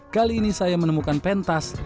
kali ini saya menemukan pentas